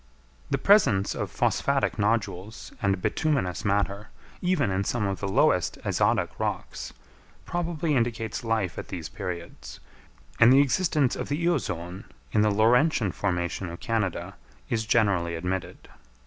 The presence of phosphatic nodules and bituminous matter, even in some of the lowest azotic rocks, probably indicates life at these periods; and the existence of the Eozoon in the Laurentian formation of Canada is generally admitted.